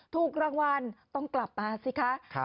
ถูกรางวัลต้องกลับมาสิคะ